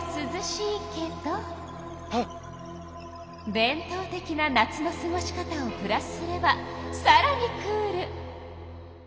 伝とう的な夏のすごし方をプラスすればさらにクール！